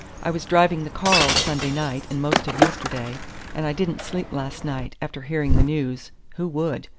"I was driving the car all Sunday night and most of yesterday, and I didn't sleep last night, after hearing the news who would?